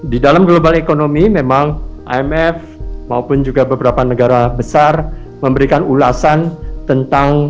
di dalam global economy memang imf maupun juga beberapa negara besar memberikan ulasan tentang